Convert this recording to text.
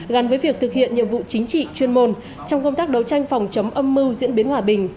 gắn với việc thực hiện nhiệm vụ chính trị chuyên môn trong công tác đấu tranh phòng chống âm mưu diễn biến hòa bình